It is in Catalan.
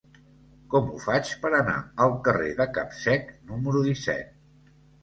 Com ho faig per anar al carrer de Capsec número disset?